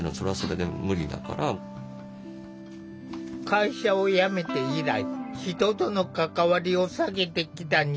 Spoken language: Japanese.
会社を辞めて以来人との関わりを避けてきた新田さん。